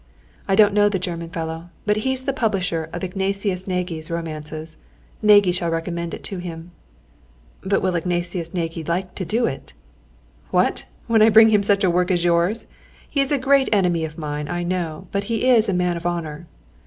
"I don't know the German fellow, but he's the publisher of Ignatius Nagy's romances, and Nagy shall recommend it to him." "But will Ignatius Nagy like to do it?" "What! When I bring him such work as yours! He is a great enemy of mine, I know, but he is a man of honour."